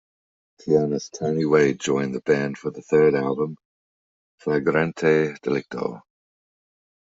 Pianist Tony Wade joined the band for the third album, "Flagrante Delicto".